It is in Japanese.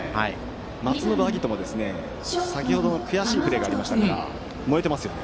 松延晶音も、先程の悔しいプレーがありましたから燃えていますよね。